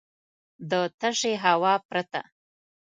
د تشې هوا پرته .